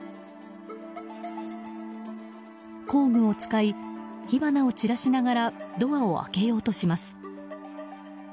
工具を使い、火花を散らしながらドアを開けようとします。